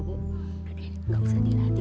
tidak usah dilatih